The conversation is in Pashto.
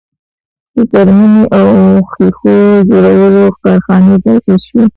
د څرمنې او ښیښو جوړولو کارخانې تاسیس شوې.